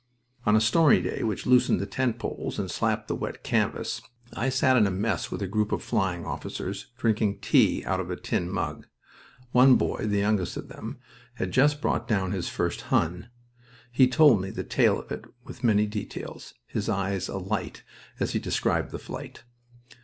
On a stormy day, which loosened the tent poles and slapped the wet canvas, I sat in a mess with a group of flying officers, drinking tea out of a tin mug. One boy, the youngest of them, had just brought down his first "Hun." He told me the tale of it with many details, his eyes alight as he described the fight.